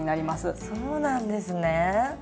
へえそうなんですね。